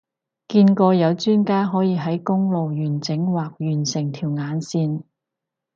見過有專家可以喺公路完整畫完成條眼線